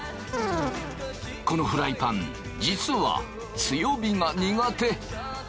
このフライパン実は強火が苦手。